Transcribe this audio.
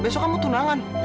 besok kamu tunangan